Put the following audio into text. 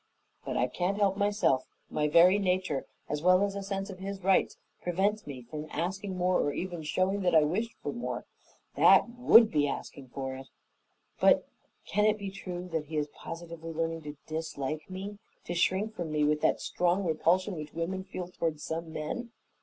But I can't help myself; my very nature, as well as a sense of his rights, prevents me from asking more or even showing that I wish for more. That WOULD be asking for it. But can it be true that he is positively learning to dislike me? To shrink from me with that strong repulsion which women feel toward some men?